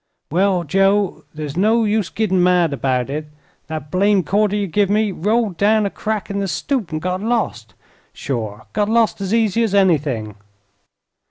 "Well, Joe, there's no use gittin' mad 'bout it. Thet blamed quarter ye giv me rolled down a crack in the stoop, an' got lost. Sure. Got lost as easy as anything."